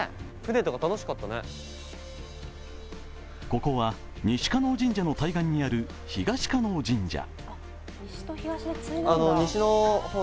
ここは西叶神社の対岸にある東叶神社。